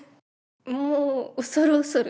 もう恐る恐る。